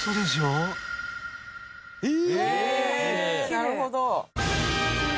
なるほど。